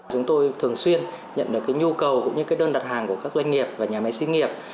chúng tôi thường xuyên nhận được nhu cầu cũng như đơn đặt hàng của các doanh nghiệp và nhà máy sinh nghiệp